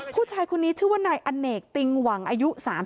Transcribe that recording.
ผู้ชายคนนี้ชื่อว่านายอเนกติงหวังอายุ๓๐